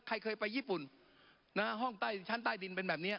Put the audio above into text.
ใครเคยไปญี่ปุ่นนะห้องใต้ชั้นใต้ดินเป็นแบบนี้